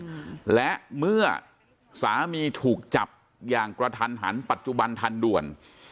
อืมและเมื่อสามีถูกจับอย่างกระทันหันปัจจุบันทันด่วน